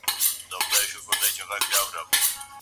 ډاکټر بالاتا وايي دا یو لوی پرمختګ دی.